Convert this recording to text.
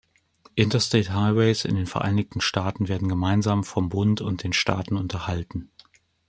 Interstate Highways in den Vereinigten Staaten werden gemeinsam vom Bund und den Staaten unterhalten.